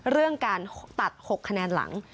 เรื่องการตัด๖คะแนนหลัง